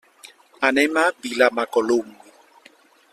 Anem a Vilamacolum.